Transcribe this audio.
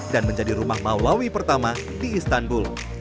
dan menjadi rumah malawi pertama di istanbul